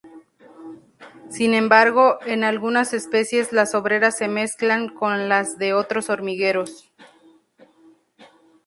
Sin embargo, en algunas especies las obreras se mezclan con las de otros hormigueros.